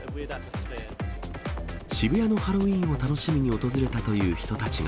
渋谷のハロウィーンを楽しみに訪れたという人たちが。